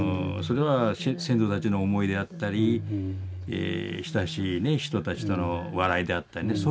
それは先祖たちの思いであったり親しい人たちとの笑いであったりね